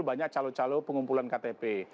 banyak calon calon pengumpulan ktp